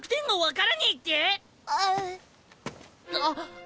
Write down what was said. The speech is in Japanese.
あっ。